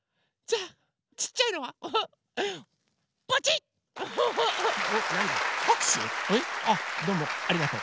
あっどうもありがとう。